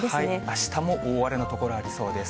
あしたも大荒れの所ありそうです。